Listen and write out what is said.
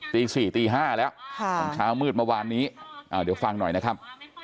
ตี๔ตี๕แล้วเช้ามืดเมื่อวานนี้เดี๋ยวฟังหน่อยนะครับ